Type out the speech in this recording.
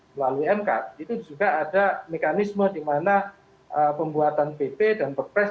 melalui mk itu juga ada mekanisme di mana pembuatan pp dan perpres